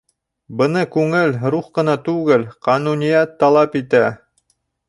Быны күңел, рух ҡына түгел, ҡануниәт талап итә.